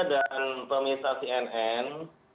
mas yuda dan pemirsa cnn